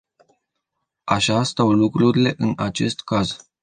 Așa stau lucrurile în acest caz.